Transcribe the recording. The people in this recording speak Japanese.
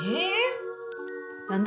何だ？